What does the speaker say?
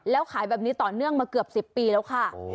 แล้วขายแบบนี้ต่อเนื่องมาเกือบ๑๐ปีแล้วค่ะ